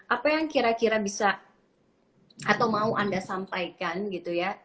apa yang kira kira bisa atau mau anda sampaikan gitu ya